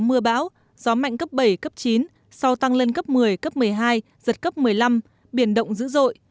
mưa bão gió mạnh cấp bảy cấp chín sau tăng lên cấp một mươi cấp một mươi hai giật cấp một mươi năm biển động dữ dội